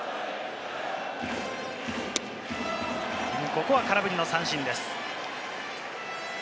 ここは空振りの三振です。